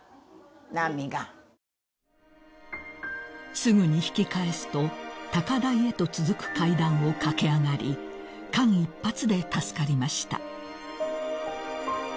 ［すぐに引き返すと高台へと続く階段を駆け上がり間一髪で助かりました］